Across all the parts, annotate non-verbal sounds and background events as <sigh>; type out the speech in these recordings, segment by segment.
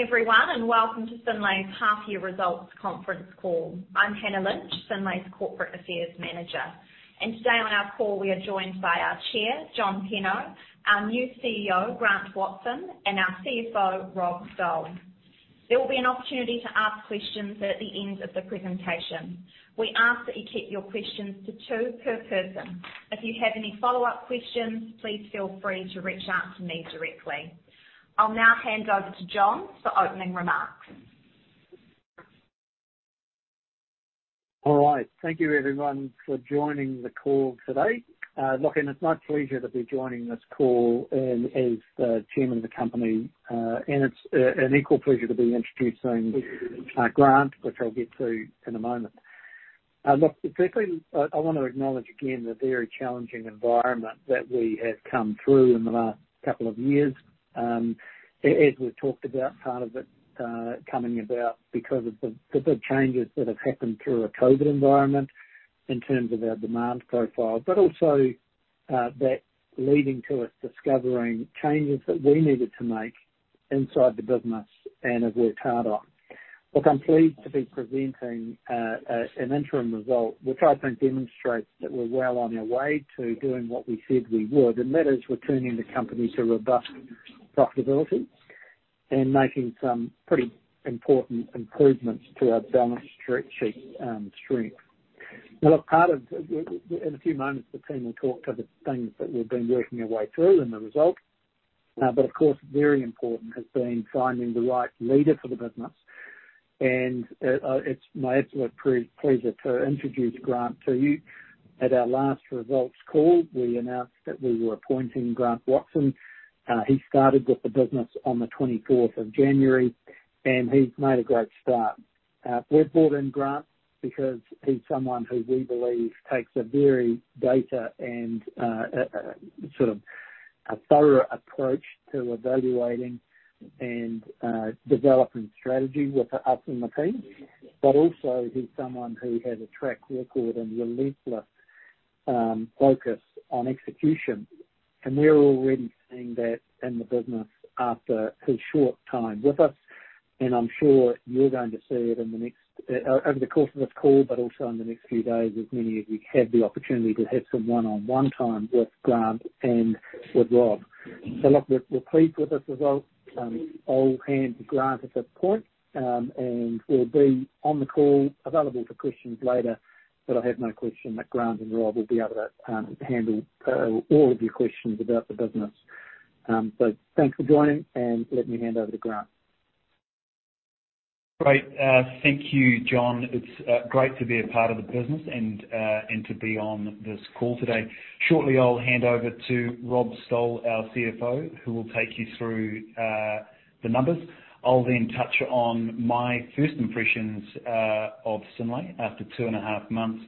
Good morning everyone, and welcome to Synlait's half year results conference call. I'm Hannah Lynch, Synlait's Corporate Affairs Manager, and today on our call we are joined by our Chair, John Penno, our new CEO, Grant Watson, and our CFO, Rob Stowell. There will be an opportunity to ask questions at the end of the presentation. We ask that you keep your questions to two per person. If you have any follow-up questions, please feel free to reach out to me directly. I'll now hand over to John for opening remarks. All right. Thank you everyone for joining the call today. Look, it's my pleasure to be joining this call as the Chairman of the company. It's an equal pleasure to be introducing Grant, which I'll get to in a moment. Look, firstly, I wanna acknowledge again the very challenging environment that we have come through in the last couple of years. As we've talked about, part of it coming about because of the big changes that have happened through a COVID environment in terms of our demand profile, but also that leading to us discovering changes that we needed to make inside the business and have worked hard on. Look, I'm pleased to be presenting an interim result, which I think demonstrates that we're well on our way to doing what we said we would, and that is we're turning the company to robust profitability and making some pretty important improvements to our balance sheet strength. Now look, in a few moments, the team will talk to the things that we've been working our way through and the results. Of course, very important has been finding the right leader for the business. It's my absolute pleasure to introduce Grant to you. At our last results call, we announced that we were appointing Grant Watson. He started with the business on the 24th of January, and he's made a great start. We've brought in Grant because he's someone who we believe takes a very data and sort of a thorough approach to evaluating and developing strategy with us in the team. Also he's someone who has a track record and relentless focus on execution. We're already seeing that in the business after his short time with us, and I'm sure you're going to see it in the next over the course of this call, but also in the next few days, as many of you have the opportunity to have some one-on-one time with Grant and with Rob. Look, we're pleased with this result. I'll hand to Grant at this point, and we'll be on the call available for questions later. I have no question that Grant and Rob will be able to handle all of your questions about the business. Thanks for joining, and let me hand over to Grant. Great. Thank you, John. It's great to be a part of the business and to be on this call today. Shortly, I'll hand over to Rob Stowell, our CFO, who will take you through the numbers. I'll then touch on my first impressions of Synlait after two and a half months.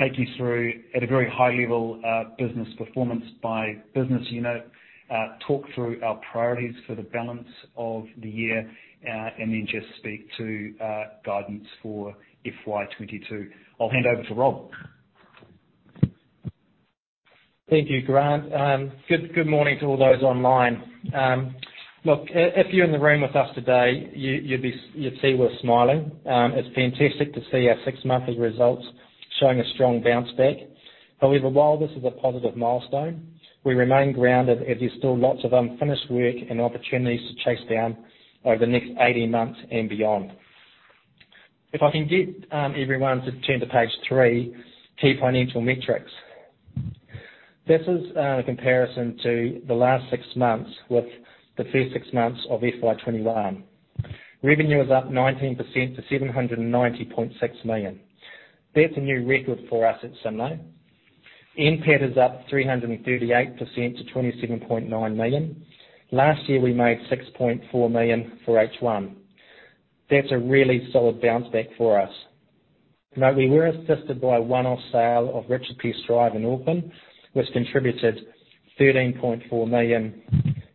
I'll take you through, at a very high level, business performance by business unit, talk through our priorities for the balance of the year, and then just speak to guidance for FY 2022. I'll hand over to Rob. Thank you, Grant. Good morning to all those online. Look, if you're in the room with us today, you'd see us smiling. It's fantastic to see our 6 monthly results showing a strong bounce back. However, while this is a positive milestone, we remain grounded as there's still lots of unfinished work and opportunities to chase down over the next 18 months and beyond. If I can get everyone to turn to page 3, key financial metrics. This is a comparison to the last 6 months with the first 6 months of FY 2021. Revenue is up 19% to 790.6 million. That's a new record for us at Synlait. NPAT is up 338% to 27.9 million. Last year, we made 6.4 million for H1. That's a really solid bounce back for us. Now, we were assisted by a one-off sale of Richard Pearse Drive in Auckland, which contributed 13.4 million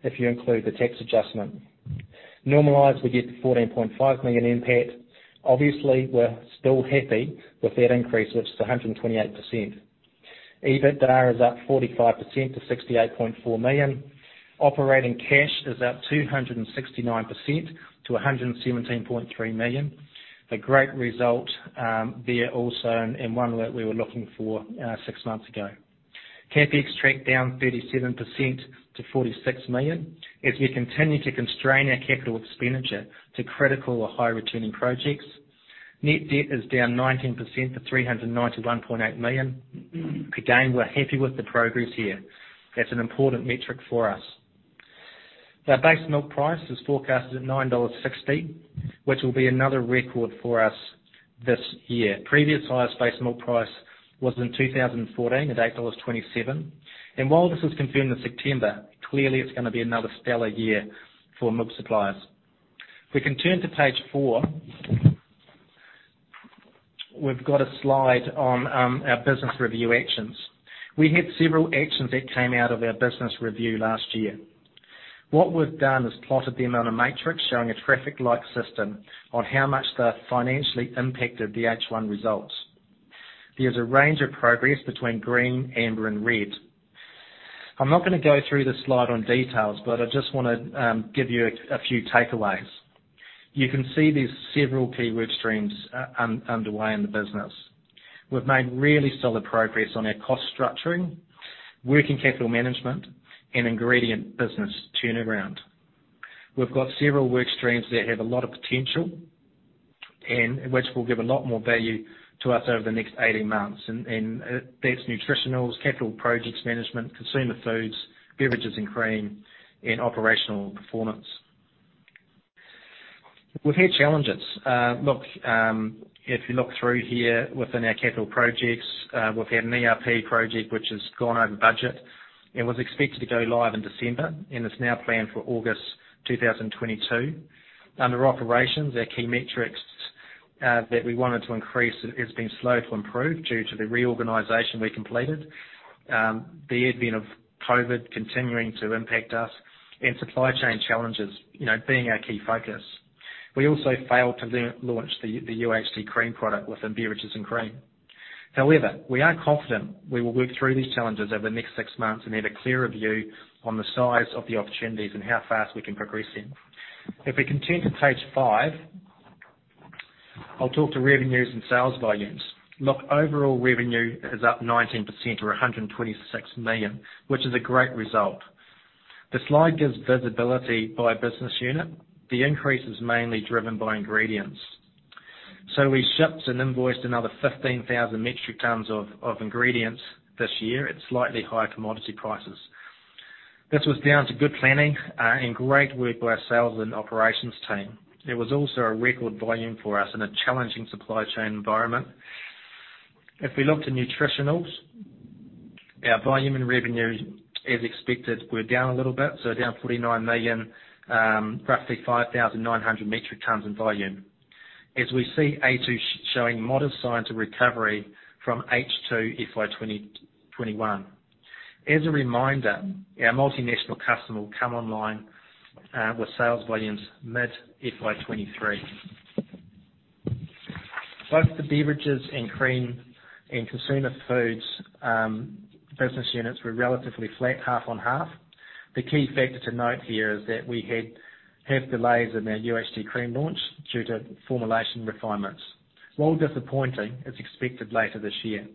if you include the tax adjustment. Normalized, we get to 14.5 million NPAT. Obviously, we're still happy with that increase, which is 128%. EBITDA is up 45% to 68.4 million. Operating cash is up 269% to 117.3 million. A great result and one that we were looking for 6 months ago. CapEx tracked down 37% to 46 million as we continue to constrain our capital expenditure to critical or high returning projects. Net debt is down 19% to 391.8 million. Again, we're happy with the progress here. That's an important metric for us. The base milk price is forecasted at 9.60 dollars, which will be another record for us this year. Previous highest base milk price was in 2014 at 8.27 dollars. While this was confirmed in September, clearly it's gonna be another stellar year for milk suppliers. If we can turn to page 4. We've got a slide on our business review actions. We had several actions that came out of our business review last year. What we've done is plotted them on a matrix showing a traffic light system on how much they financially impacted the H1 results. There's a range of progress between green, amber, and red. I'm not gonna go through the slide on details, but I just wanna give you a few takeaways. You can see there's several key work streams underway in the business. We've made really solid progress on our cost structuring, working capital management, and ingredient business turnaround. We've got several work streams that have a lot of potential and which will give a lot more value to us over the next 18 months. That's Nutritionals, capital projects management, consumer foods, beverages and cream, and operational performance. We've had challenges. If you look through here within our capital projects, we've had an ERP project which has gone over budget and was expected to go live in December, and it's now planned for August 2022. Under operations, our key metrics that we wanted to increase has been slow to improve due to the reorganization we completed, the advent of COVID continuing to impact us and supply chain challenges, you know, being our key focus. We also failed to launch the UHT cream product within beverages and cream. However, we are confident we will work through these challenges over the next six months and have a clearer view on the size of the opportunities and how fast we can progress them. If we turn to page 5, I'll talk to revenues and sales volumes. Look, overall revenue is up 19% or 126 million, which is a great result. The slide gives visibility by business unit. The increase is mainly driven by ingredients. We shipped and invoiced another 15,000 metric tons of ingredients this year at slightly higher commodity prices. This was down to good planning and great work by our sales and operations team. It was also a record volume for us in a challenging supply chain environment. If we look to Nutritionals, our volume and revenue, as expected, we're down a little bit, so down 49 million, roughly 5,900 metric tons in volume. As we see a2 showing modest signs of recovery from H2 FY 2021. As a reminder, our multinational customer will come online with sales volumes mid-FY 2023. Both the beverages and cream and consumer foods business units were relatively flat, half on half. The key factor to note here is that we have delays in our UHT cream launch due to formulation refinements. While disappointing, it's expected later this year.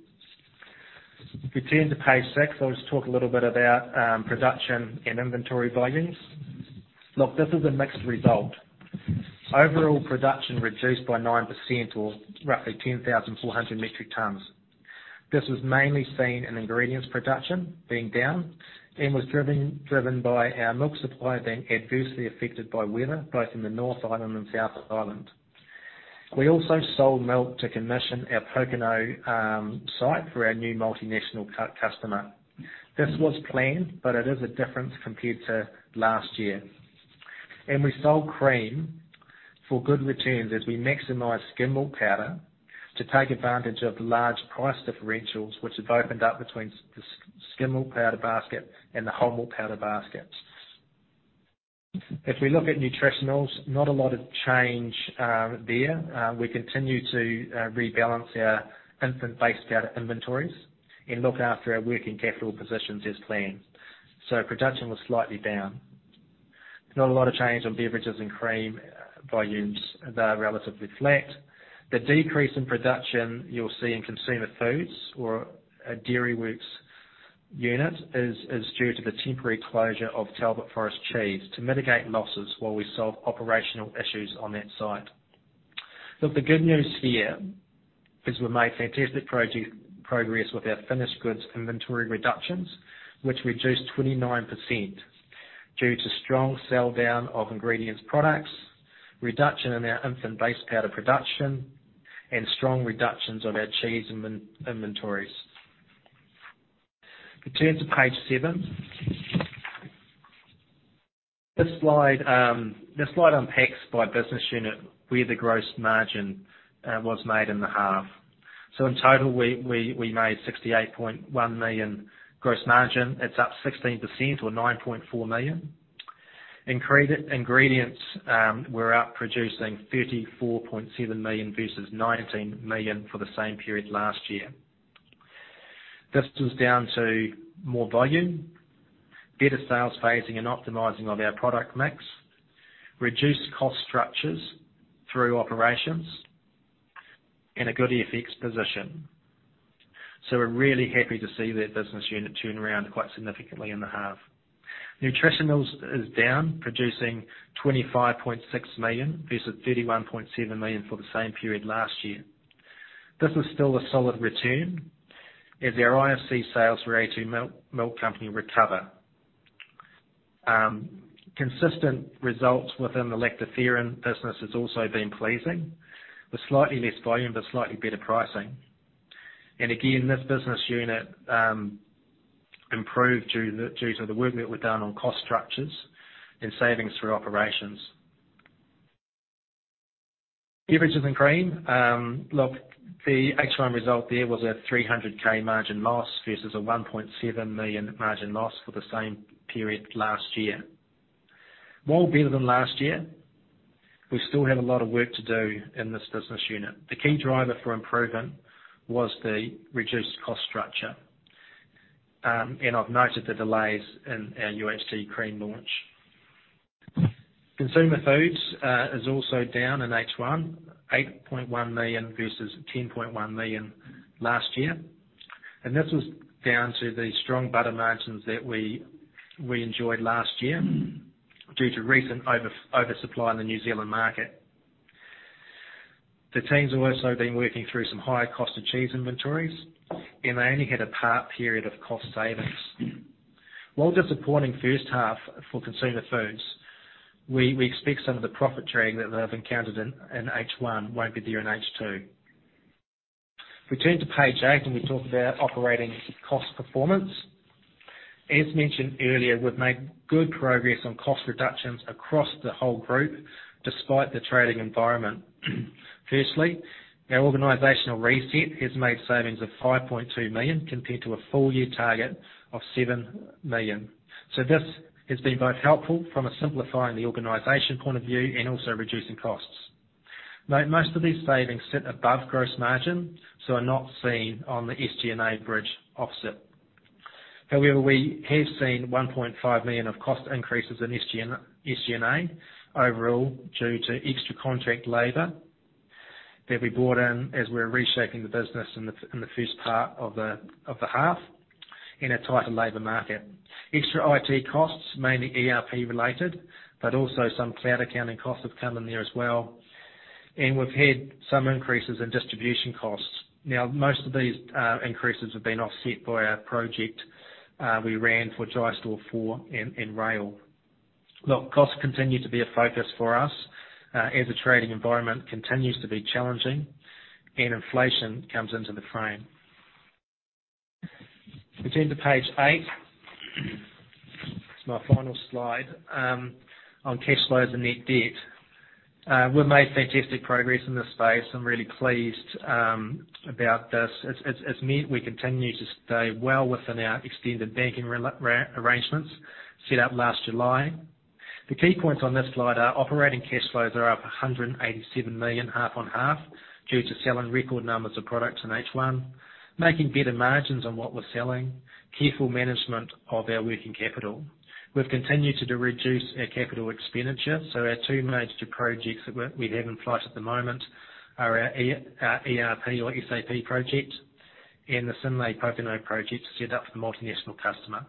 If you turn to page 6, I'll just talk a little bit about production and inventory volumes. Look, this is a mixed result. Overall production reduced by 9% or roughly 10,400 metric tons. This was mainly seen in ingredients production being down and was driven by our milk supply being adversely affected by weather, both in the North Island and South Island. We also sold milk to commission our Pōkeno site for our new multinational customer. This was planned, but it is a difference compared to last year. We sold cream for good returns as we maximize skim milk powder to take advantage of large price differentials which have opened up between the skim milk powder basket and the whole milk powder baskets. If we look at Nutritionals, not a lot of change there. We continue to rebalance our infant base powder inventories and look after our working capital positions as planned. Production was slightly down. Not a lot of change on beverages and cream volumes. They're relatively flat. The decrease in production you'll see in consumer foods or our Dairyworks unit is due to the temporary closure of Talbot Forest Cheese to mitigate losses while we solve operational issues on that site. Look, the good news here is we've made fantastic progress with our finished goods inventory reductions, which reduced 29% due to strong sell down of ingredients products, reduction in our infant base powder production, and strong reductions of our cheese inventories. If you turn to page 7. This slide unpacks by business unit where the gross margin was made in the half. In total we made 68.1 million gross margin. It's up 16% or 9.4 million. Ingredients were outproducing 34.7 million versus 19 million for the same period last year. This was down to more volume, better sales phasing and optimizing of our product mix, reduced cost structures through operations, and a good FX position. We're really happy to see that business unit turn around quite significantly in the half. Nutritionals is down, producing 25.6 million versus 31.7 million for the same period last year. This is still a solid return as our IFC sales for the a2 Milk Company recover. Consistent results within the lactoferrin business has also been pleasing with slightly less volume, but slightly better pricing. Again, this business unit improved due to the work that we've done on cost structures and savings through operations. Beverages and Cream, look, the H1 result there was a 300,000 margin loss versus a 1.7 million margin loss for the same period last year. While better than last year, we still have a lot of work to do in this business unit. The key driver for improvement was the reduced cost structure. I've noted the delays in our UHT cream launch. Consumer Foods is also down in H1, 8.1 million versus 10.1 million last year. This was down to the strong butter margins that we enjoyed last year due to recent oversupply in the New Zealand market. The teams have also been working through some higher cost of cheese inventories, and they only had a partial period of cost savings. While disappointing first half for Consumer Foods, we expect some of the profit drag that they've encountered in H1 won't be there in H2. If we turn to page 8 when we talk about operating cost performance. As mentioned earlier, we've made good progress on cost reductions across the whole group despite the trading environment. Firstly, our organizational reset has made savings of 5.2 million compared to a full-year target of 7 million. This has been both helpful from a simplifying the organization point of view and also reducing costs. Now, most of these savings sit above gross margin, so are not seen on the SG&A bridge offset. However, we have seen 1.5 million of cost increases in SG&A overall due to extra contract labor that we brought in as we're reshaping the business in the first part of the half in a tighter labor market. Extra IT costs, mainly ERP-related, but also some cloud accounting costs have come in there as well. We've had some increases in distribution costs. Now, most of these increases have been offset by our project we ran for DS4 and rail. Look, costs continue to be a focus for us as the trading environment continues to be challenging and inflation comes into the frame. If we turn to page 8. It's my final slide on cash flows and net debt. We've made fantastic progress in this space. I'm really pleased about this. As we continue to stay well within our extended banking arrangements set up last July. The key points on this slide are operating cash flows are up 187 million half on half due to selling record numbers of products in H1, making better margins on what we're selling, careful management of our working capital. We've continued to reduce our capital expenditure, so our two major projects that we have in flight at the moment are our ERP or SAP project and the Synlait Pōkeno project set up for the multinational customer.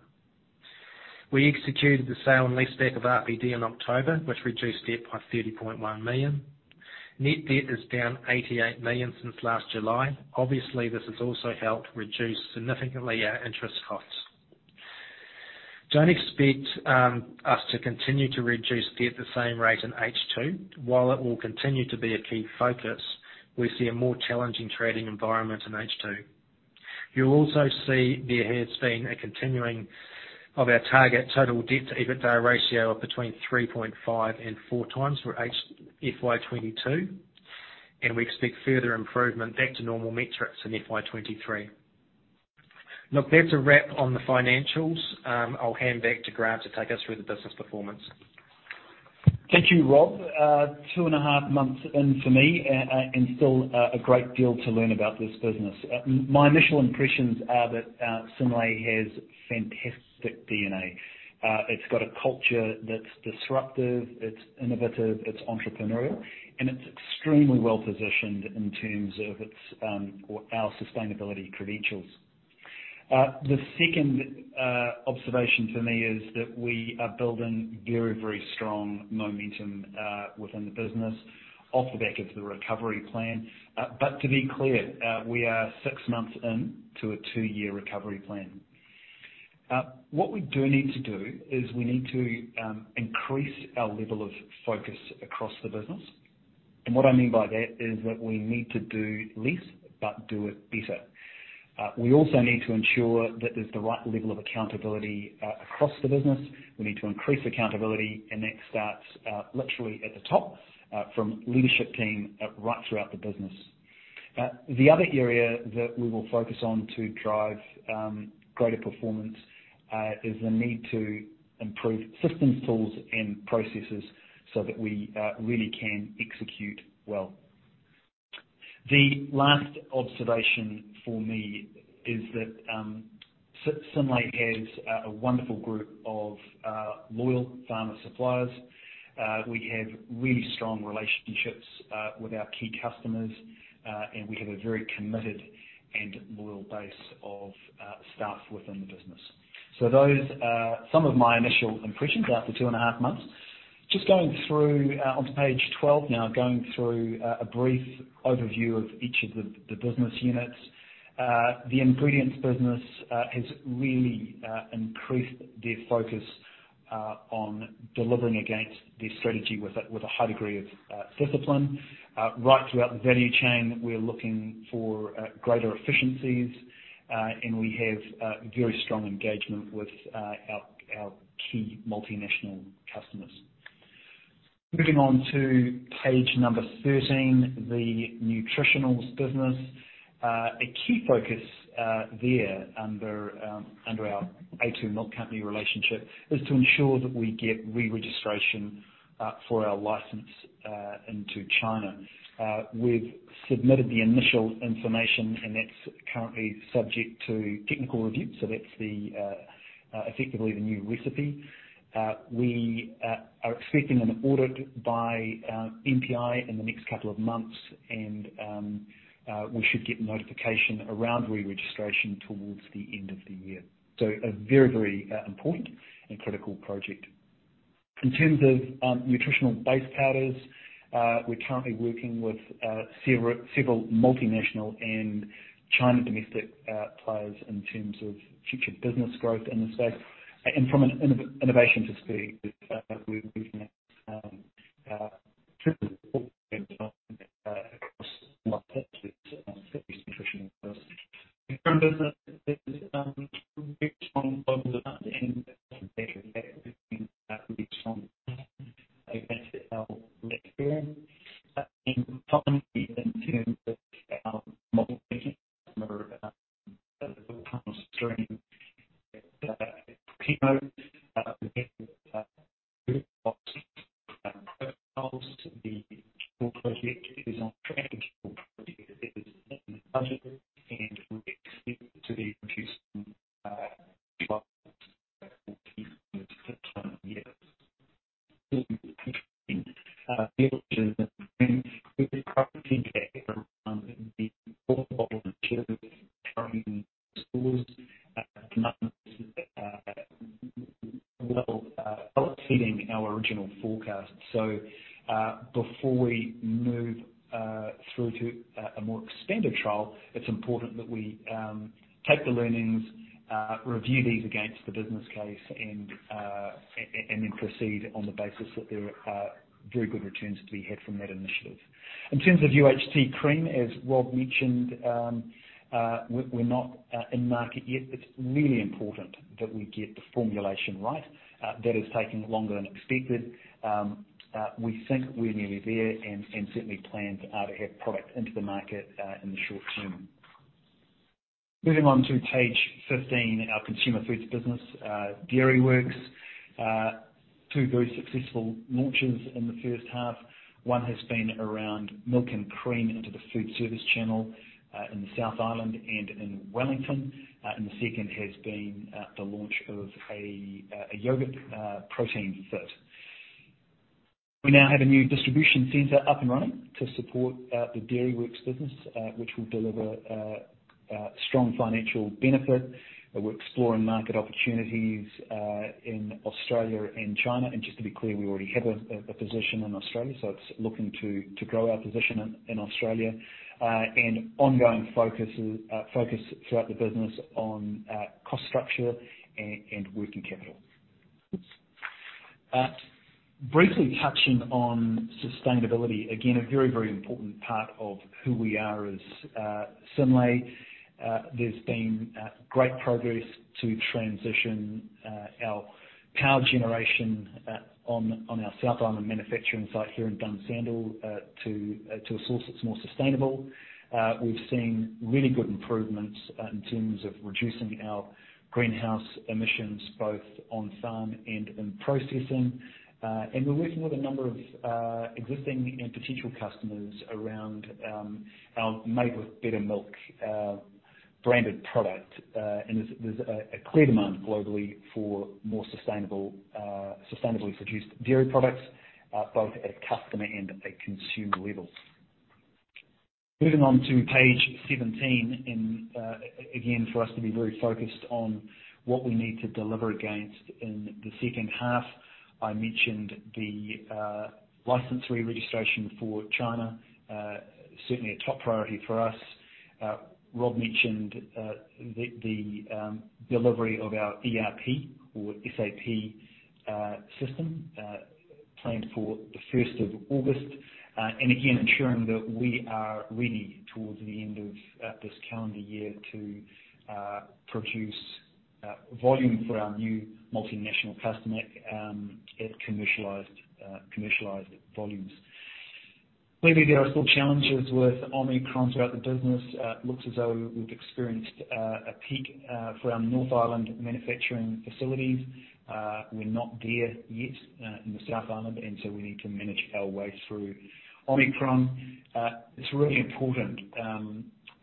We executed the sale and leaseback of RPD in October, which reduced debt by 30.1 million. Net debt is down 88 million since last July. Obviously, this has also helped reduce significantly our interest costs. Don't expect us to continue to reduce debt the same rate in H2. While it will continue to be a key focus, we see a more challenging trading environment in H2. You'll also see there has been a continuing of our target total debt-to-EBITDA ratio of between 3.5x and 4x for H1 FY 2022, and we expect further improvement back to normal metrics in FY 2023. Look, that's a wrap on the financials. I'll hand back to Grant to take us through the business performance. Thank you, Rob. Two and a half months in for me, and still a great deal to learn about this business. My initial impressions are that Synlait has fantastic DNA. It's got a culture that's disruptive, it's innovative, it's entrepreneurial, and it's extremely well-positioned in terms of its or our sustainability credentials. The second observation for me is that we are building very, very strong momentum within the business off the back of the recovery plan. To be clear, we are 6 months in to a 2-year recovery plan. What we do need to do is we need to increase our level of focus across the business. What I mean by that is that we need to do less but do it better. We also need to ensure that there's the right level of accountability across the business. We need to increase accountability, and that starts literally at the top from leadership team right throughout the business. The other area that we will focus on to drive greater performance is the need to improve systems, tools and processes so that we really can execute well. The last observation for me is that Synlait has a wonderful group of loyal farmer suppliers. We have really strong relationships with our key customers, and we have a very committed and loyal base of staff within the business. Those are some of my initial impressions after two and a half months. Just going through onto page 12 now, a brief overview of each of the business units. The Ingredients business has really increased their focus on delivering against their strategy with a high degree of discipline. Right throughout the value chain, we're looking for greater efficiencies, and we have very strong engagement with our key multinational customers. Moving on to page number 13, the Nutritionals business. A key focus there under our a2 Milk Company relationship is to ensure that we get re-registration for our license into China. We've submitted the initial information, and that's currently subject to technical review, so that's effectively the new recipe. We are expecting an audit by MPI in the next couple of months and we should get notification around re-registration towards the end of the year. A very important and critical project. In terms of nutritional base powders, we're currently working with several multinational and China domestic players in terms of future business growth in this space. From an innovation perspective. <audio distortion> Before we move through to a more expanded trial, it's important that we take the learnings, review these against the business case and then proceed on the basis that there are very good returns to be had from that initiative. In terms of UHT cream, as Rob mentioned, we're not in market yet. It's really important that we get the formulation right. That is taking longer than expected. We think we're nearly there and certainly plans are to have product into the market in the short term. Moving on to page 15, our Consumer Foods business, Dairyworks. Two very successful launches in the first half. One has been around milk and cream into the food service channel in the South Island and in Wellington. The second has been the launch of a yogurt, Protein [FIT]. We now have a new distribution center up and running to support the Dairyworks business, which will deliver strong financial benefit. We're exploring market opportunities in Australia and China. Just to be clear, we already have a position in Australia, so it's looking to grow our position in Australia. Ongoing focus throughout the business on cost structure and working capital. Briefly touching on sustainability. Again, a very important part of who we are as Synlait. There's been great progress to transition our power generation on our South Island manufacturing site here in Dunsandel to a source that's more sustainable. We've seen really good improvements in terms of reducing our greenhouse emissions both on farm and in processing. We're working with a number of existing and potential customers around our Made With Better Milk branded product. There's a clear demand globally for more sustainable, sustainably produced dairy products, both at customer and at consumer levels. Moving on to page 17, again, for us to be very focused on what we need to deliver against in the second half. I mentioned the license re-registration for China, certainly a top priority for us. Rob mentioned the delivery of our ERP or SAP system, planned for the 1st of August. Again, ensuring that we are ready towards the end of this calendar year to produce volume for our new multinational customer at commercialized volumes. Clearly, there are still challenges with Omicron throughout the business. Looks as though we've experienced a peak for our North Island manufacturing facilities. We're not there yet in the South Island, so we need to manage our way through Omicron. It's really important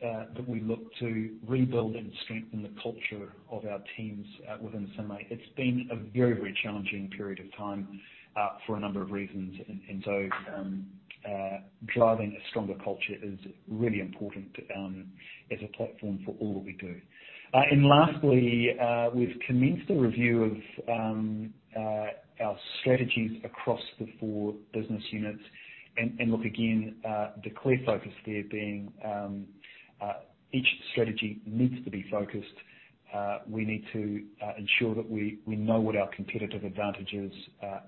that we look to rebuild and strengthen the culture of our teams within Synlait. It's been a very, very challenging period of time for a number of reasons. Driving a stronger culture is really important as a platform for all that we do. Lastly, we've commenced a review of our strategies across the 4 business units. Look again, the clear focus there being each strategy needs to be focused. We need to ensure that we know what our competitive advantages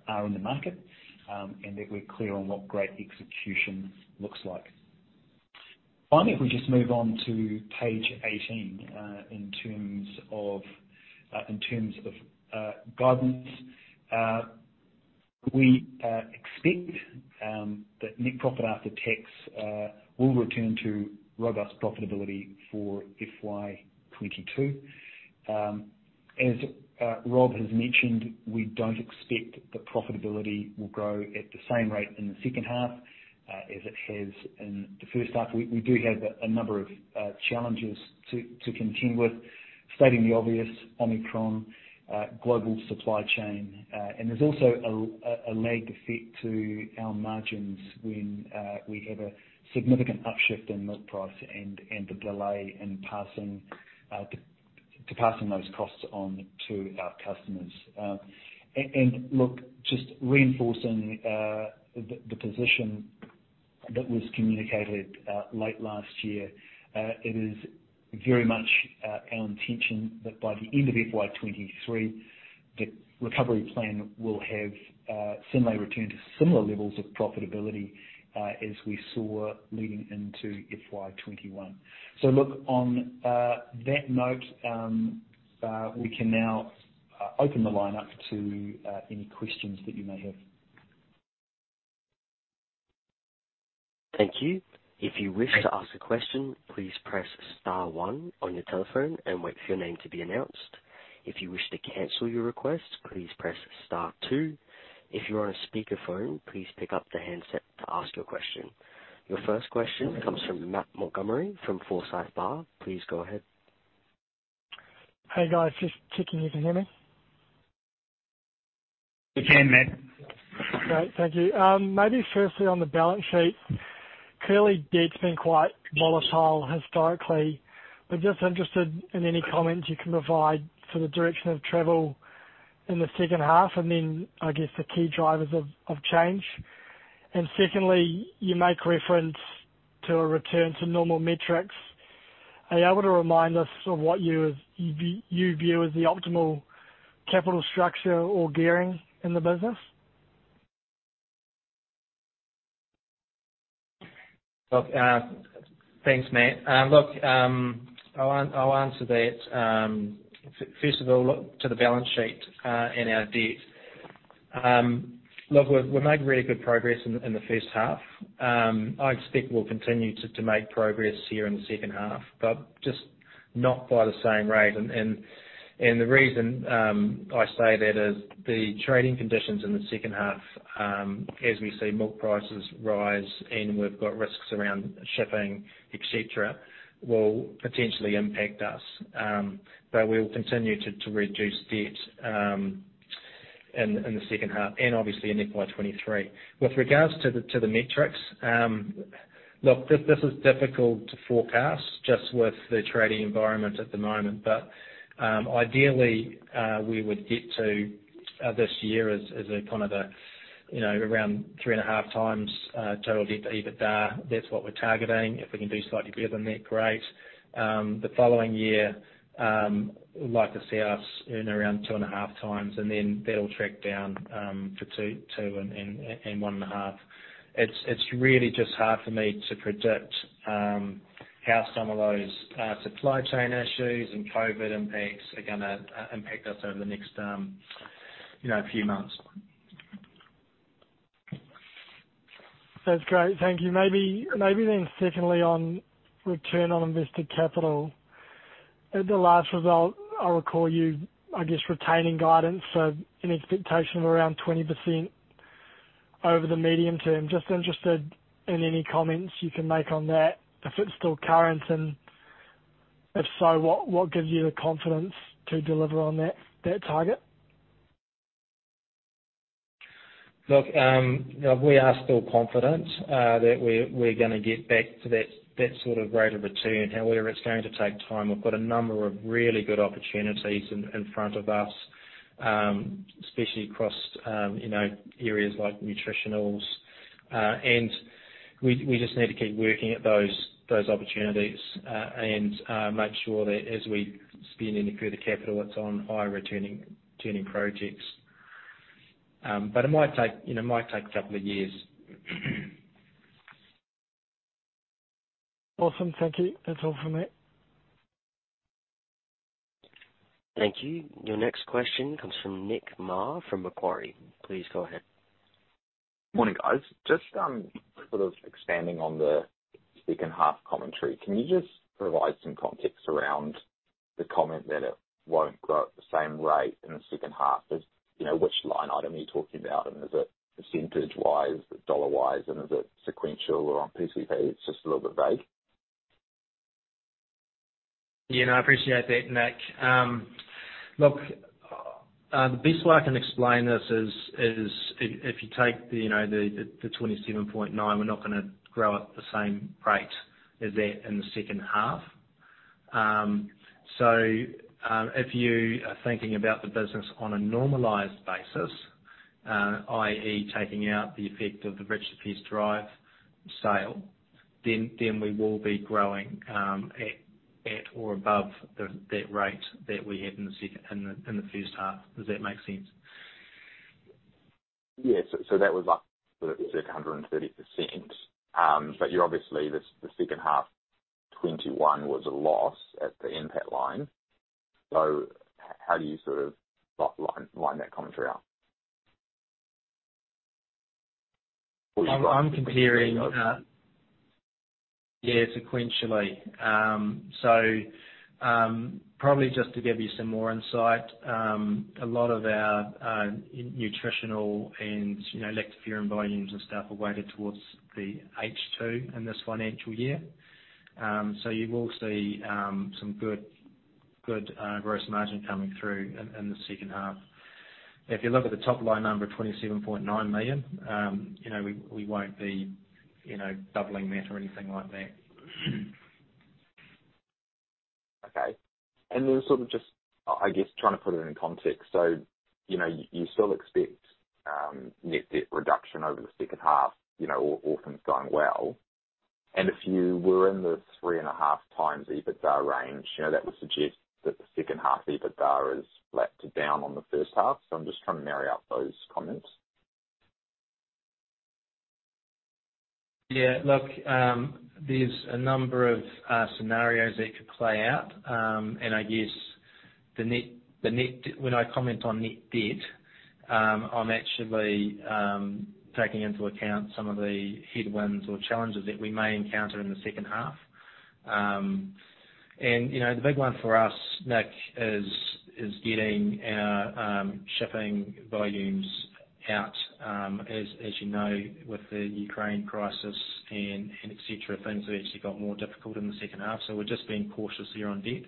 are in the market and that we're clear on what great execution looks like. Finally, if we just move on to page 18, in terms of guidance, we expect that net profit after tax will return to robust profitability for FY 2022. As Rob has mentioned, we don't expect the profitability will grow at the same rate in the second half as it has in the first half. We do have a number of challenges to contend with. Stating the obvious, Omicron, global supply chain, and there's also a lagged effect to our margins when we have a significant upshift in milk price and the delay in passing those costs on to our customers. Look, just reinforcing the position that was communicated late last year, it is very much our intention that by the end of FY 2023, the recovery plan will have Synlait return to similar levels of profitability as we saw leading into FY 2021. Look, on that note, we can now open the line up to any questions that you may have. Thank you. If you wish to ask a question, please press star one on your telephone and wait for your name to be announced. If you wish to cancel your request, please press star two. If you're on a speaker phone, please pick up the handset to ask your question. Your first question comes from Matt Montgomerie from Forsyth Barr. Please go ahead. Hey, guys. Just checking you can hear me. We can, Matt. Great. Thank you. Maybe firstly on the balance sheet, clearly debt's been quite volatile historically, but just interested in any comments you can provide for the direction of travel in the second half, and then I guess the key drivers of change. Secondly, you make reference to a return to normal metrics. Are you able to remind us of what you view as the optimal capital structure or gearing in the business? Look, thanks, Matt. I'll answer that. First of all, look to the balance sheet and our debt. We're making really good progress in the first half. I expect we'll continue to make progress here in the second half, but just not by the same rate. The reason I say that is the trading conditions in the second half, as we see milk prices rise and we've got risks around shipping, et cetera, will potentially impact us. We'll continue to reduce debt in the second half and obviously in FY 2023. With regards to the metrics, this is difficult to forecast just with the trading environment at the moment. Ideally, we would get to this year as a kind of a, you know, around 3.5x total debt to EBITDA. That's what we're targeting. If we can do slightly better than that, great. The following year, I'd like to see us earn around 2.5x, and then that'll track down for 2x and 1.5x. It's really just hard for me to predict how some of those supply chain issues and COVID impacts are gonna impact us over the next, you know, few months. That's great. Thank you. Maybe then secondly, on return on invested capital. At the last result, I recall you, I guess, retaining guidance of an expectation of around 20% over the medium term. Just interested in any comments you can make on that, if it's still current, and if so, what gives you the confidence to deliver on that target? Look, we are still confident that we're gonna get back to that sort of rate of return, however it's going to take time. We've got a number of really good opportunities in front of us, especially across you know areas like Nutritionals, and we just need to keep working at those opportunities and make sure that as we spend any further capital, it's on high returning projects. It might take, you know, it might take a couple of years. Awesome. Thank you. That's all from me. Thank you. Your next question comes from Nick Mar from Macquarie. Please go ahead. Morning, guys. Just, sort of expanding on the second half commentary, can you just provide some context around the comment that it won't grow at the same rate in the second half? As, you know, which line item are you talking about, and is it percentage-wise, dollar-wise, and is it sequential or on PCP? It's just a little bit vague. Yeah, I appreciate that, Nick. Look, the best way I can explain this is if you take the, you know, the 27.9%, we're not gonna grow at the same rate as that in the second half. So, if you are thinking about the business on a normalized basis, i.e., taking out the effect of the Richard Pearse Drive sale, then we will be growing at or above that rate that we had in the first half. Does that make sense? Yeah. That was up sort of 130%. But you're obviously this, the second half 2021 was a loss at the NPAT line. How do you sort of line that commentary up? I'm comparing. Or you've got- Yeah, sequentially. Probably just to give you some more insight, a lot of our nutritional and, you know, lactoferrin volumes and stuff are weighted towards the H2 in this financial year. You will see some good gross margin coming through in the second half. If you look at the top line number, 27.9 million, you know, we won't be doubling that or anything like that. Okay. Then sort of just, I guess trying to put it in context. You know, you still expect net debt reduction over the second half, you know, all things going well. If you were in the 3.5x EBITDA range, you know, that would suggest that the second half EBITDA is flat to down on the first half. I'm just trying to marry up those comments. Yeah. Look, there's a number of scenarios that could play out, and I guess when I comment on net debt, I'm actually taking into account some of the headwinds or challenges that we may encounter in the second half. You know, the big one for us, Nick, is getting our shipping volumes out, as you know, with the Ukraine crisis and et cetera, things have actually got more difficult in the second half. We're just being cautious here on debt.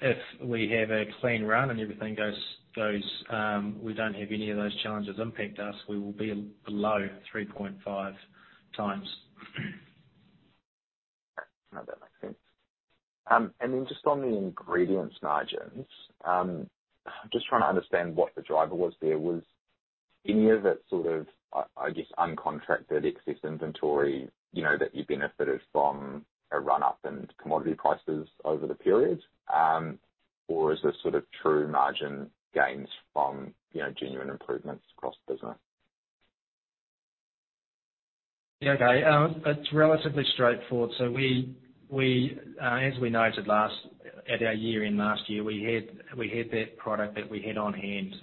If we have a clean run and everything goes, we don't have any of those challenges impact us, we will be below 3.5x. No, that makes sense. Just on the ingredients margins, just trying to understand what the driver was there. Was any of it sort of I guess, uncontracted excess inventory, you know, that you benefited from a run up in commodity prices over the period? Is this sort of true margin gains from, you know, genuine improvements across the business? Yeah. Okay. It's relatively straightforward. We, as we noted last, at our year-end last year, we had that product that we had on hand.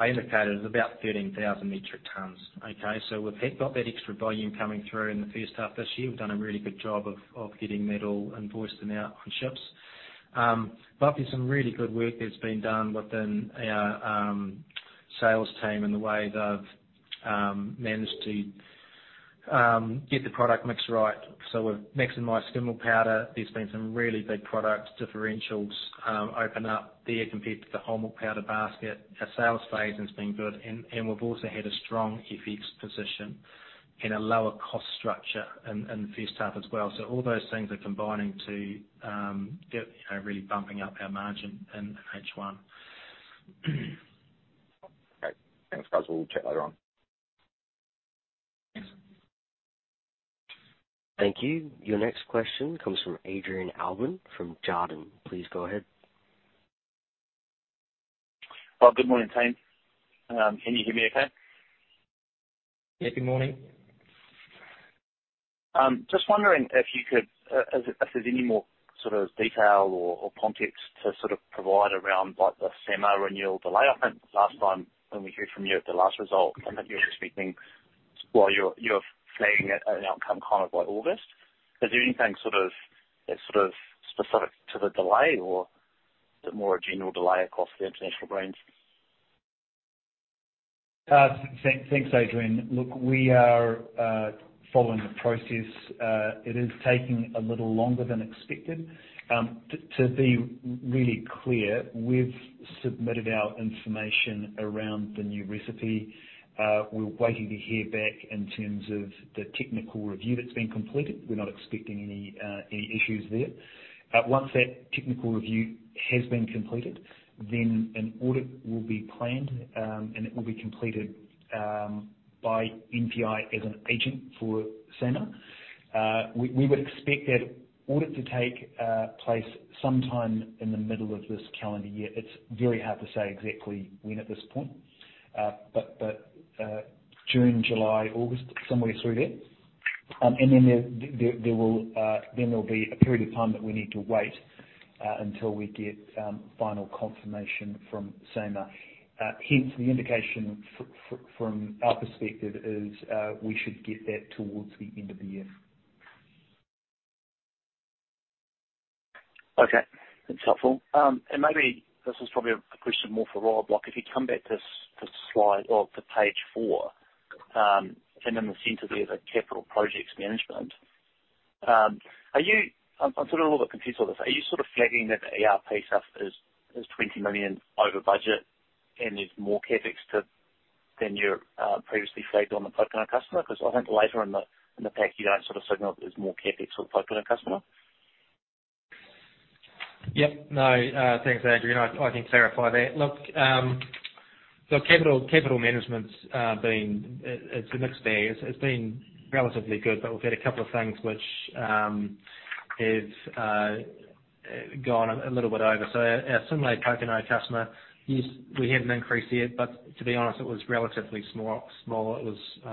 I indicated it was about 13,000 metric tons. Okay? We've got that extra volume coming through in the first half this year. We've done a really good job of getting that all invoiced and out on ships. There's some really good work that's been done within our sales team and the way they've managed to get the product mix right. We've maximized skim milk powder. There's been some really big product differentials open up there compared to the whole milk powder basket. Our sales phase has been good and we've also had a strong FX position and a lower cost structure in the first half as well. All those things are combining to get, you know, really bumping up our margin in H1. Great. Thanks, guys. We'll chat later on. Thanks. Thank you. Your next question comes from Adrian Allbon from Jarden. Please go ahead. Oh, good morning, team. Can you hear me okay? Yeah. Good morning. Just wondering if you could ask if there's any more sort of detail or context to sort of provide around, like, the SAMR renewal delay. I think last time when we heard from you at the last result, I think you were expecting. Well, you're flagging an outcome kind of by August. Is there anything sort of specific to the delay or is it more a general delay across the international brands? Thanks, Adrian. Look, we are following the process. It is taking a little longer than expected. To be really clear, we've submitted our information around the new recipe. We're waiting to hear back in terms of the technical review that's being completed. We're not expecting any issues there. Once that technical review has been completed, then an audit will be planned, and it will be completed by MPI as an agent for SAMR. We would expect that audit to take place sometime in the middle of this calendar year. It's very hard to say exactly when at this point, but June, July, August, somewhere through there. There'll be a period of time that we need to wait until we get final confirmation from SAMR. Hence, the indication from our perspective is, we should get that towards the end of the year. Okay. That's helpful. And maybe this is probably a question more for Rob. If you come back to slide or to page 4, and in the center there, the capital projects management. Are you sort of flagging that the ERP stuff is 20 million over budget and there's more CapEx than you previously flagged on the Pōkeno customer? 'Cause I think later in the pack, you don't sort of signal there's more CapEx for the Pōkeno customer. Yep. No. Thanks, Adrian. I can clarify that. Look, so capital management's been, it's mixed there. It's been relatively good, but we've had a couple of things which We've gone a little bit over. Synlait Pōkeno customer, yes, we had an increase there, but to be honest, it was relatively small. It was 6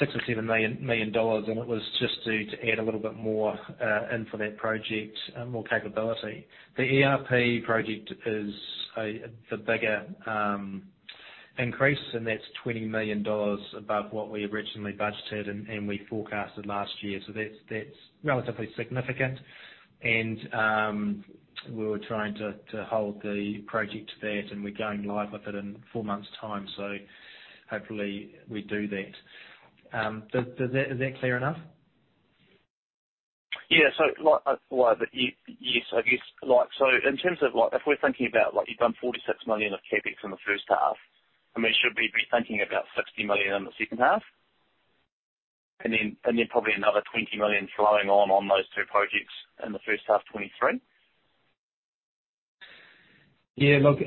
million-7 million dollars, and it was just to add a little bit more in for that project, more capability. The ERP project is the bigger increase, and that's 20 million dollars above what we originally budgeted and we forecasted last year. That's relatively significant. We were trying to hold the project to that, and we're going live with it in 4 months' time. Hopefully we do that. Is that clear enough? Yeah. Like, well, but yes, I guess like, so in terms of like if we're thinking about like you've done 46 million of CapEx in the first half, I mean, should we be thinking about 60 million in the second half? And then probably another 20 million flowing on those two projects in the first half 2023? Yeah. Look,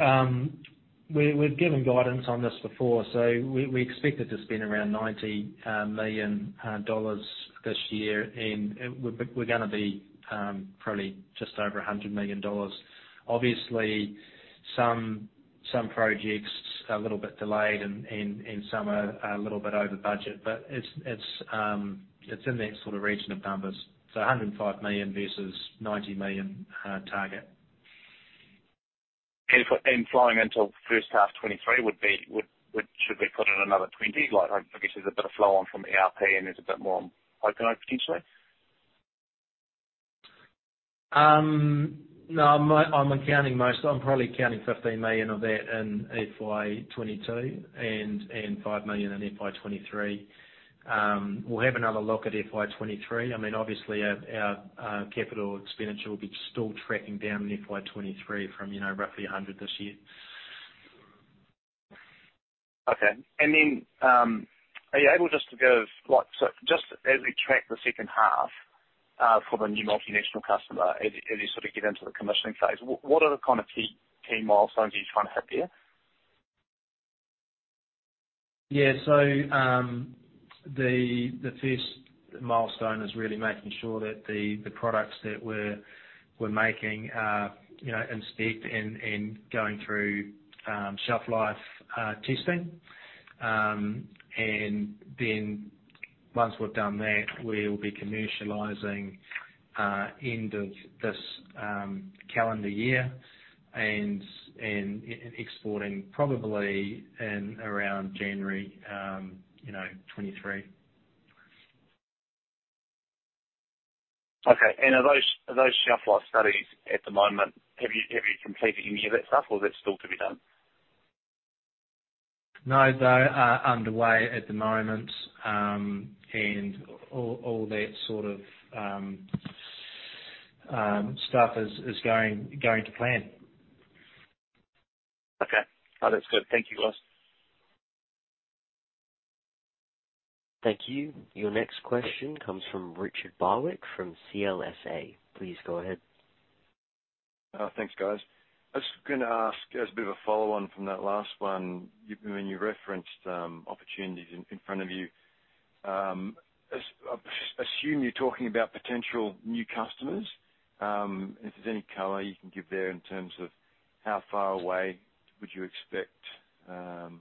we've given guidance on this before. We expected to spend around 90 million dollars this year. We're gonna be probably just over 100 million dollars. Obviously, some projects are a little bit delayed and some are a little bit over budget. It's in that sort of region of numbers. 105 million versus 90 million target. Flowing into first half 2023 would be, should we put in another 20 million? Like, I guess there's a bit of flow on from ERP, and there's a bit more on Pōkeno potentially. No. I'm probably accounting 15 million of that in FY 2022 and 5 million in FY 2023. We'll have another look at FY 2023. I mean, obviously our capital expenditure will be still tracking down in FY 2023 from, you know, roughly 100 million this year. Okay. Are you able just to give, like, so just as we track the second half for the new multinational customer, as you sort of get into the commissioning phase, what are the kind of key milestones you are trying to hit there? Yeah. The first milestone is really making sure that the products that we're making are, you know, in spec and going through shelf life testing. Once we've done that, we'll be commercializing end of this calendar year and exporting probably in around January, you know, 2023. Okay. Are those shelf life studies at the moment, have you completed any of that stuff or is that still to be done? No, they are underway at the moment. All that sort of stuff is going to plan. Okay. Oh, that's good. Thank you, guys. Thank you. Your next question comes from Richard Barwick from CLSA. Please go ahead. Thanks, guys. I was gonna ask as a bit of a follow on from that last one. You, when you referenced opportunities in front of you, I assume you're talking about potential new customers. If there's any color you can give there in terms of how far away would you expect, you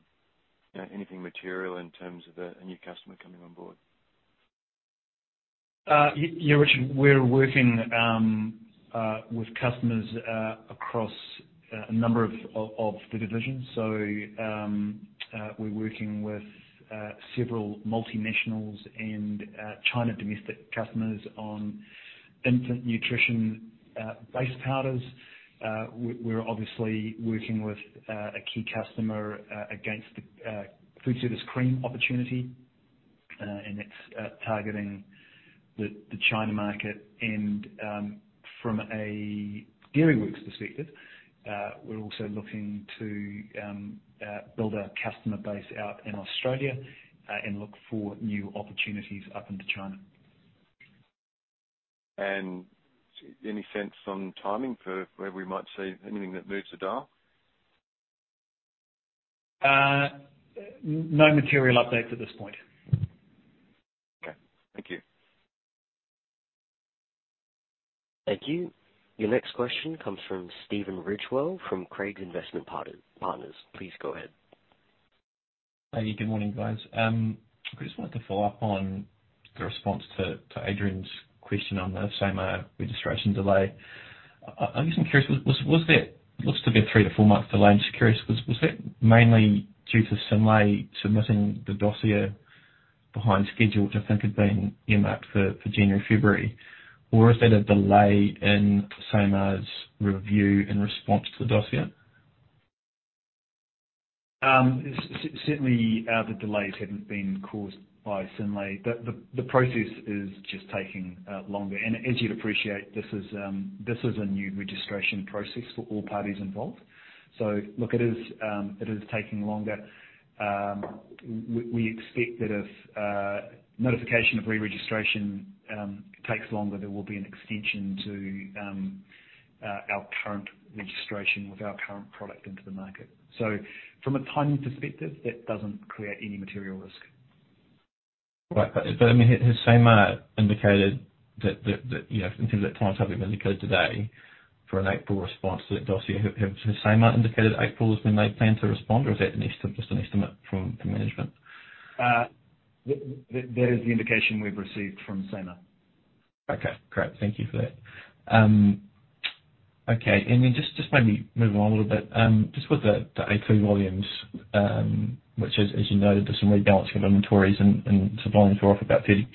know, anything material in terms of a new customer coming on board? Yeah, Richard. We're working with customers across a number of the divisions. We're working with several multinationals and China domestic customers on infant nutrition base powders. We're obviously working with a key customer against foodservice cream opportunity, and it's targeting the China market. From a Dairyworks perspective, we're also looking to build our customer base out in Australia and look for new opportunities up into China. Any sense on timing for where we might see anything that moves the dial? No material updates at this point. Okay. Thank you. Thank you. Your next question comes from Stephen Ridgewell from Craigs Investment Partners. Please go ahead. Hey, good morning, guys. I just wanted to follow up on the response to Adrian's question on the SAMR registration delay. I'm just curious, was that. Looks to be a 3-4 month delay. I'm just curious, was that mainly due to Synlait submitting the dossier behind schedule, which I think had been earmarked for January, February? Or is it a delay in SAMR's review in response to the dossier? Certainly, the delays haven't been caused by Synlait. The process is just taking longer. As you'd appreciate, this is a new registration process for all parties involved. Look, it is taking longer. We expect that if notification of re-registration takes longer, there will be an extension to our current registration with our current product into the market. From a timing perspective, that doesn't create any material risk. Right. I mean, has SAMR indicated that, you know, in terms of the time frame you've indicated today for an April response to that dossier, has SAMR indicated April is when they plan to respond, or is that just an estimate from management? That is the indication we've received from SAMR. Okay, great. Thank you for that. Okay, and then just maybe moving on a little bit, just with the a2 volumes, which is, as you noted, there's some rebalancing of inventories and volumes were off about 30%.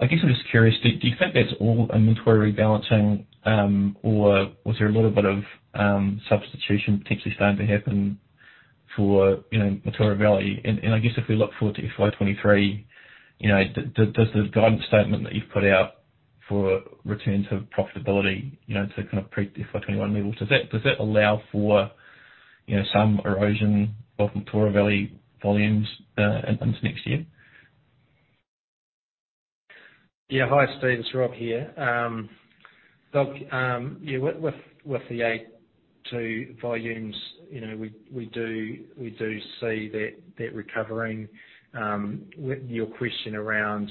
I guess I'm just curious, do you think that's all inventory rebalancing, or was there a little bit of substitution potentially starting to happen for, you know, Mataura Valley? And I guess if we look forward to FY 2023, you know, does the guidance statement that you've put out for return to profitability, you know, to kind of pre FY 2021 level, does that allow for, you know, some erosion of Mataura Valley volumes into next year? Yeah. Hi, Steve. It's Rob here. Look, yeah, with the a2 volumes, you know, we do see that recovering. Your question around,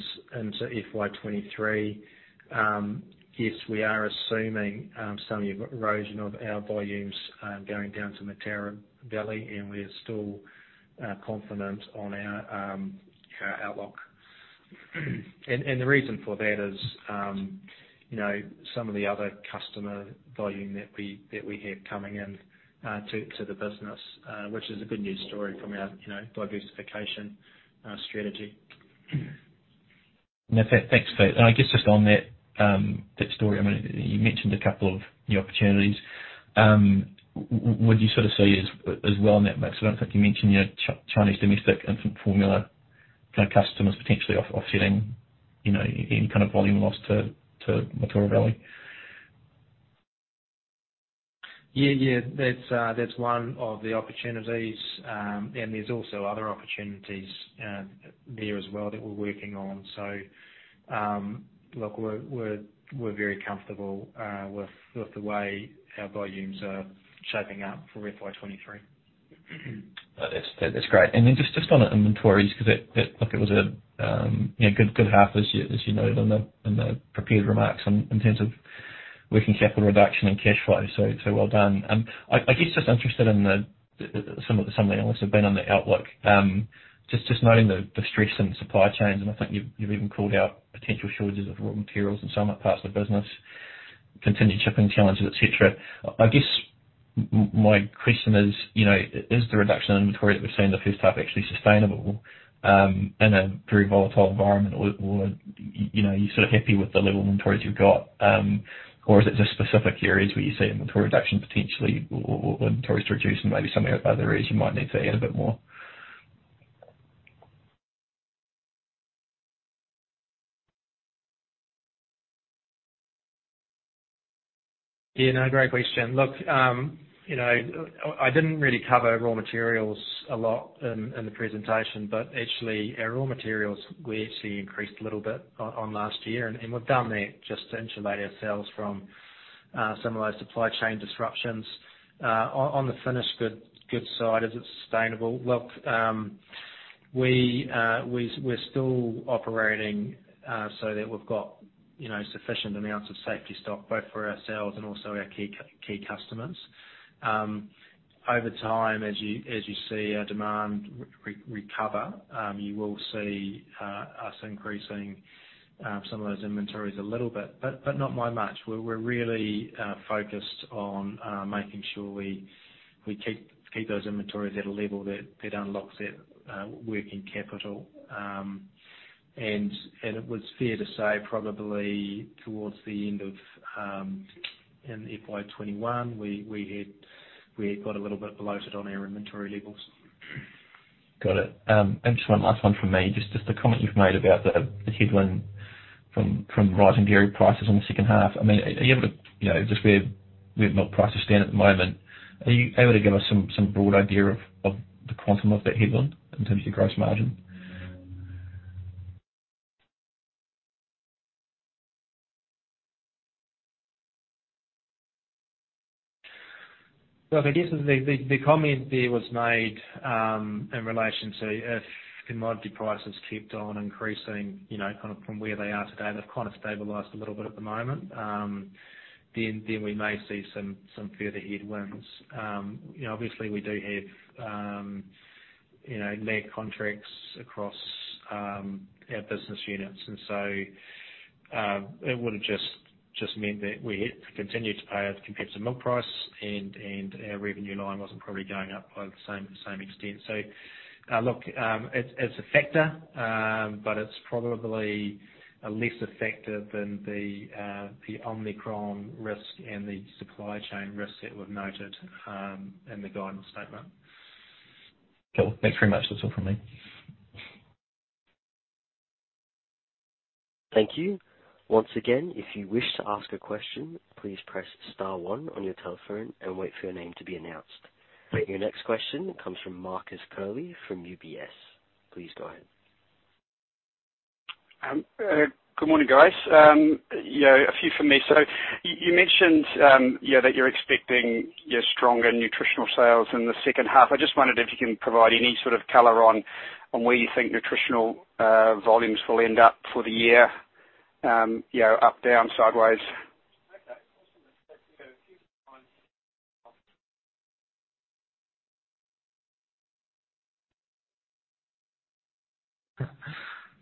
so FY 2023, yes, we are assuming some of your erosion of our volumes going down to Mataura Valley, and we're still confident on our outlook. The reason for that is, you know, some of the other customer volume that we have coming in to the business, which is a good news story from our diversification strategy. No, thanks for that. I guess just on that story, I mean, you mentioned a couple of new opportunities. Would you sort of see as well in that mix? I don't think you mentioned your Chinese domestic infant formula, you know, customers potentially offsetting, you know, any kind of volume loss to Mataura Valley Milk. Yeah. That's one of the opportunities. There's also other opportunities there as well that we're working on. Look, we're very comfortable with the way our volumes are shaping up for FY 2023. That's great. Just on inventories, 'cause that like it was a you know good half as you noted in the prepared remarks in terms of working capital reduction and cash flow, so well done. I guess I'm just interested in the outlook. Some of the analysts have been on the outlook. Just noting the stress in supply chains, and I think you've even called out potential shortages of raw materials in some parts of the business, continued shipping challenges, et cetera. I guess my question is, you know, is the reduction in inventory that we've seen in the first half actually sustainable in a very volatile environment or, you know, you're sort of happy with the level of inventories you've got? Is it just specific areas where you see inventory reduction potentially or inventories to reduce and maybe some other areas you might need to add a bit more? Yeah, no, great question. Look, you know, I didn't really cover raw materials a lot in the presentation, but actually our raw materials, we actually increased a little bit on last year, and we've done that just to insulate ourselves from some of those supply chain disruptions. On the finished good side as it's sustainable. Look, we're still operating so that we've got, you know, sufficient amounts of safety stock both for ourselves and also our key customers. Over time, as you see our demand recover, you will see us increasing some of those inventories a little bit, but not by much. We're really focused on making sure we keep those inventories at a level that unlocks that working capital. It was fair to say probably towards the end of FY 2021 we had got a little bit bloated on our inventory levels. Got it. Just one last one from me. Just the comment you've made about the headwind from rising dairy prices in the second half. I mean, you know, just where milk prices stand at the moment, are you able to give us some broad idea of the quantum of that headwind in terms of your gross margin? Look, I guess the comment there was made in relation to if commodity prices kept on increasing, you know, kind of from where they are today. They've kind of stabilized a little bit at the moment. We may see some further headwinds. You know, obviously we do have you know, lag contracts across our business units and so, it would have just meant that we had to continue to pay it compared to milk price and our revenue line wasn't probably going up by the same extent. Look, it's a factor, but it's probably less of an effect than the Omicron risk and the supply chain risk that we've noted in the guidance statement. Cool. Thanks very much. That's all from me. Thank you. Once again, if you wish to ask a question, please press star one on your telephone and wait for your name to be announced. Your next question comes from Marcus Curley from UBS. Please go ahead. Good morning, guys. Yeah, a few from me. You mentioned, yeah, that you're expecting stronger Nutritional sales in the second half. I just wondered if you can provide any sort of color on where you think Nutritional volumes will end up for the year, you know, up, down, sideways.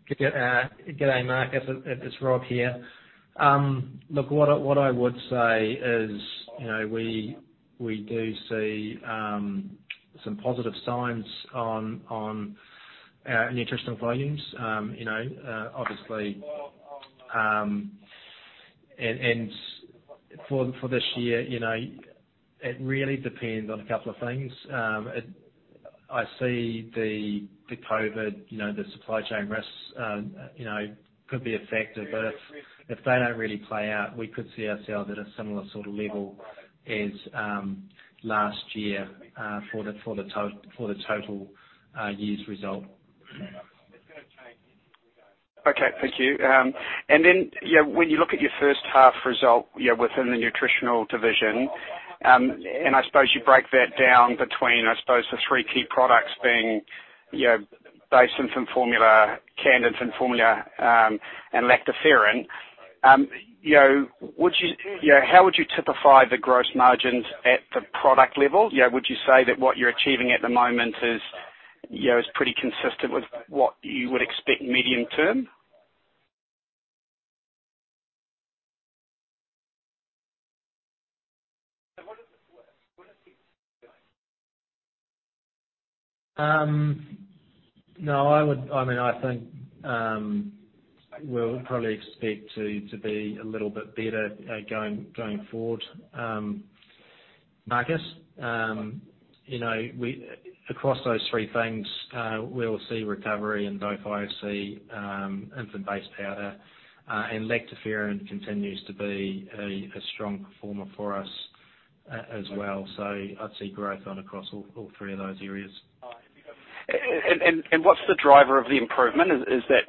Good day, Marcus. It's Rob here. Look, what I would say is, you know, we do see some positive signs on our nutritional volumes, you know, obviously, and for this year, you know, it really depends on a couple of things. I see the COVID, you know, the supply chain risks, you know, could be a factor. If they don't really play out, we could see ourselves at a similar sort of level as last year for the total year's result. Okay, thank you. When you look at your first half result, yeah, within the nutritional division, and I suppose you break that down between, I suppose the 3 key products being, you know, base infant formula, canned infant formula, and lactoferrin. You know, how would you typify the gross margins at the product level? Yeah, would you say that what you're achieving at the moment is, yeah, is pretty consistent with what you would expect medium term? No, I mean, I think we'll probably expect to be a little bit better going forward, Marcus. You know, across those three things, we'll see recovery in both IOC and infant base powder, and lactoferrin continues to be a strong performer for us as well. I'd see growth across all 3 of those areas. What's the driver of the improvement? Is that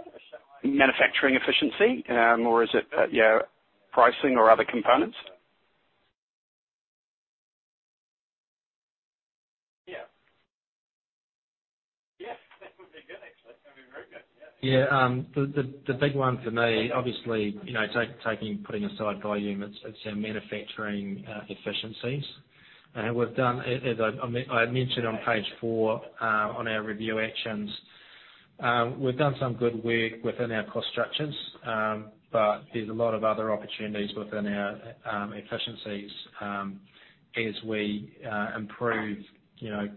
manufacturing efficiency? Or is it pricing or other components? Yeah. <audio distortion> The big one for me, obviously, you know, putting aside volume, it's our manufacturing efficiencies. As I mentioned on page 4 on our review actions, we've done some good work within our cost structures, but there's a lot of other opportunities within our efficiencies, as we improve, you know,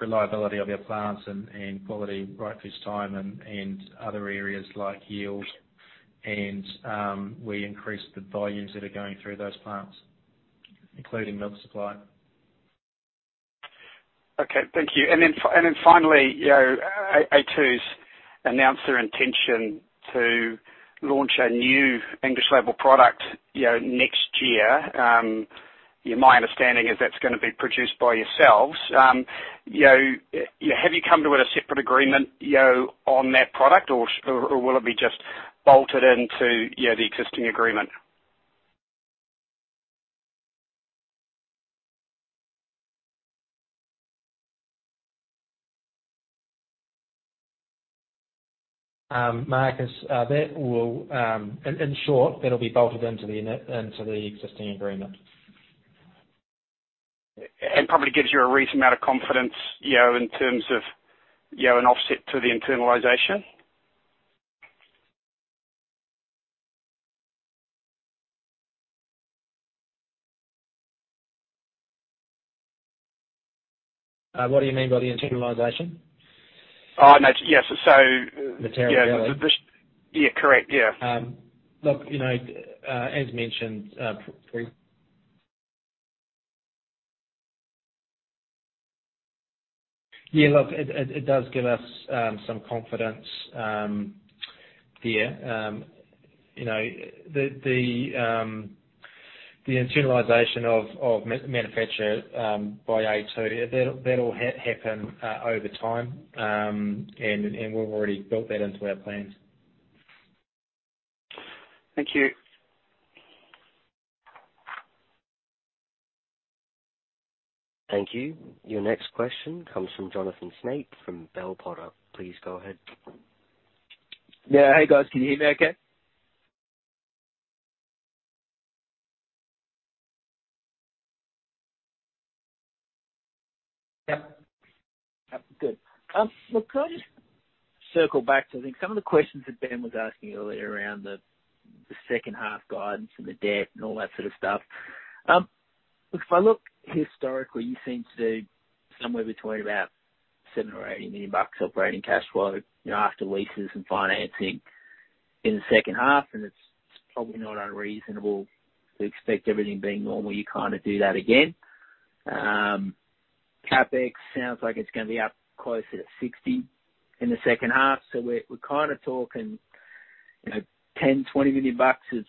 reliability of our plants and quality right first time and other areas like yield, and increase the volumes that are going through those plants, including milk supply. Okay, thank you. Finally, you know, a2's announced their intention to launch a new English label product, you know, next year. Yeah, my understanding is that's gonna be produced by yourselves. You know, have you come to a separate agreement, you know, on that product or will it be just bolted into, you know, the existing agreement? Marcus, in short, that'll be bolted into the existing agreement. Probably gives you a reasonable amount of confidence, you know, in terms of, you know, an offset to the internalization? What do you mean by the internalization? Oh, no, yes. The Yeah. Yeah. Yeah, correct. Yeah. Look, you know, as mentioned. Yeah, look, it does give us some confidence, yeah. You know, the internalization of manufacture by a2, that'll happen over time. We've already built that into our plans. Thank you. Thank you. Your next question comes from Jonathan Snape from Bell Potter. Please go ahead. Yeah. Hey, guys. Can you hear me okay? Yep. Good. Look, can I just circle back to, I think, some of the questions that Ben was asking earlier around the second half guidance and the debt and all that sort of stuff. Look, if I look historically, you seem to do somewhere between about 70 million bucks or 80 million bucks operating cash flow, you know, after leases and financing in the second half, and it's probably not unreasonable to expect everything being normal, you kinda do that again. CapEx sounds like it's gonna be up closer to 60 million in the second half. So we're kinda talking, you know, 10 million, 20 million bucks of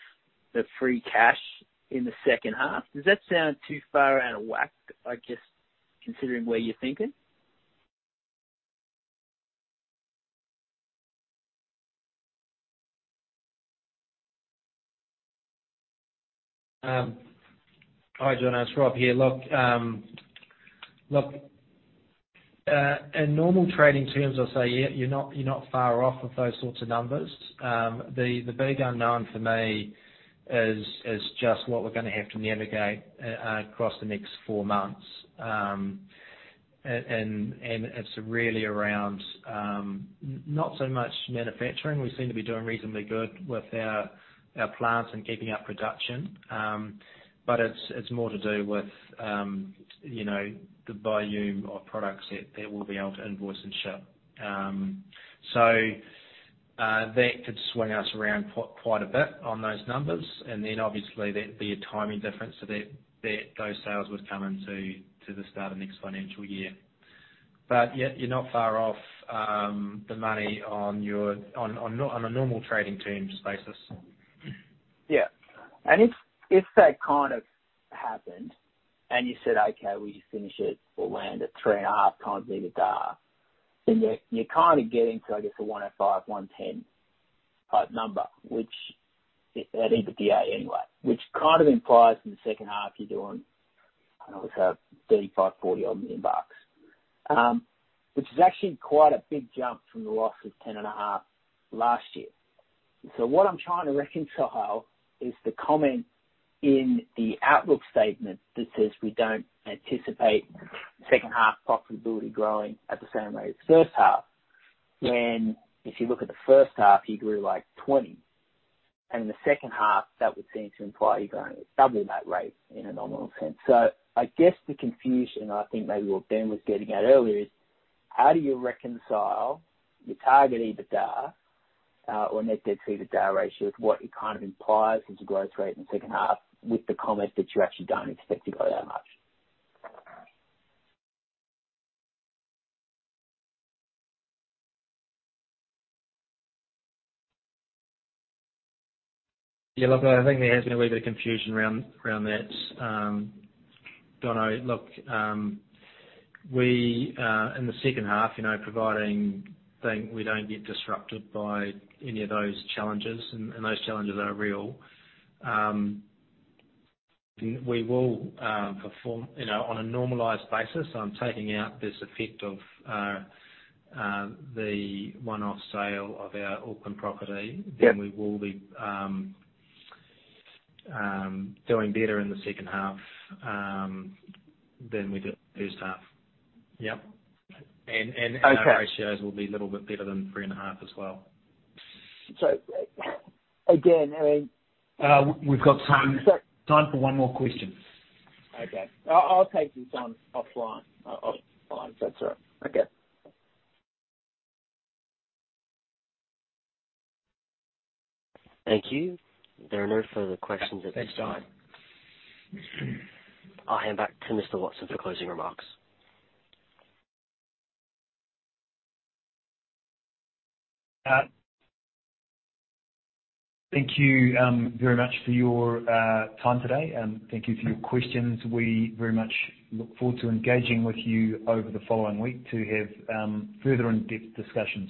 the free cash in the second half. Does that sound too far out of whack? Just considering where you're thinking? Hi, Jon, it's Rob here. Look, in normal trading terms, I'll say, yeah, you're not far off of those sorts of numbers. The big unknown for me is just what we're gonna have to navigate across the next 4 months. It's really around not so much manufacturing. We seem to be doing reasonably good with our plants and keeping up production. It's more to do with you know the volume of products that we'll be able to invoice and ship. That could swing us around quite a bit on those numbers. Then obviously there'd be a timing difference, so that those sales would come into the start of next financial year. Yeah, you're not far off the money on your. on a normal trading terms basis. Yeah. If that kind of happened and you said, "Okay, we just finish it. We'll land at 3.5x EBITDA," then you're kinda getting to, I guess, a 105, 110 type number, which is at EBITDA anyway. Which kind of implies in the second half you're doing, I don't know, sort of 35 million, 40-odd million bucks. Which is actually quite a big jump from the loss of 10.5 million last year. What I'm trying to reconcile is the comment in the outlook statement that says, "We don't anticipate second half profitability growing at the same rate as first half," when if you look at the first half, you grew, like, 20%, and in the second half, that would seem to imply you're growing at double that rate in a nominal sense. I guess the confusion, I think maybe what Ben was getting at earlier, is how do you reconcile your target EBITDA, or net debt to EBITDA ratio with what it kind of implies is the growth rate in the second half with the comment that you actually don't expect to grow that much? Look, I think there has been a wee bit of confusion around that. Dunno, look, we, in the second half, you know, we don't get disrupted by any of those challenges, and those challenges are real, we will perform, you know, on a normalized basis. I'm taking out this effect of the one-off sale of our Auckland property. Yeah. We will be doing better in the second half than we did first half. Yep. Okay. Our ratios will be a little bit better than 3.5 as well. Again, I mean. We've got time. Sorry. Time for one more question. Okay. I'll take this one offline. That's all right. Okay. Thank you. There are no further questions at this time. Thanks, Jon. I'll hand back to Mr. Watson for closing remarks. Thank you very much for your time today, and thank you for your questions. We very much look forward to engaging with you over the following week to have further in-depth discussions.